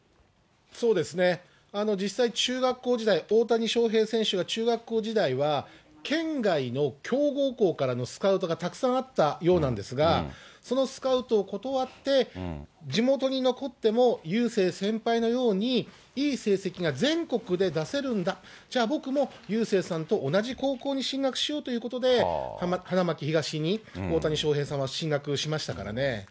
そうですね、実際中学校時代、大谷翔平選手が中学校時代は、県外の強豪校からのスカウトがたくさんあったようなんですが、そのスカウトを断って、地元に残っても雄星先輩のようにいい成績が全国で出せるんだ、じゃあ僕も雄星さんと同じ高校に進学しようということで、花巻東に大谷翔平さんは進学しましたからね。